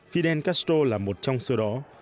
fidel castro là một trong số đó